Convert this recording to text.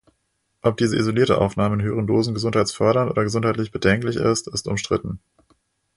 Ob diese isolierte Aufnahme in höheren Dosen gesundheitsfördernd oder gesundheitlich bedenklich ist, ist umstritten.